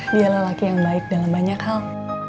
dialah laki yang baik dalam banyak hal